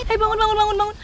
eh bangun bangun bangun